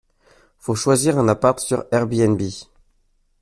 Faut choisir un appart sur Airbnb.